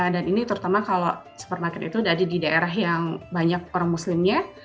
dan ini terutama kalau supermarket itu ada di daerah yang banyak orang muslimnya